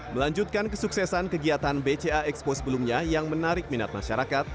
melanjutkan kesuksesan kegiatan bca expo sebelumnya yang menarik minat masyarakat